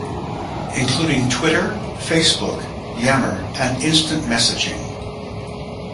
Including Twitter, Facebook, Yammer and Instant Messaging.